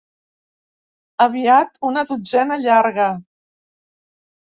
Aviat una dotzena llarga.